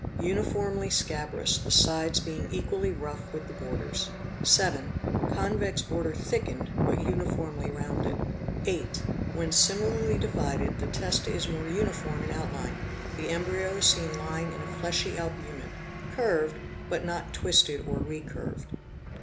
Uniformly scabrous, the sides being equally rough with the bor ders. 7. Convex border thickened, but uniformly rounded. 8. When similarly divided, the testa is more uniform in outline, the embryo is seen lying in a fleshy albumen, cwrved, but not twisted or re curved.